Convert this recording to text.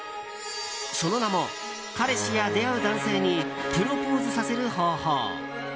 その名も彼氏や出会う男性に「プロポーズさせる方法」。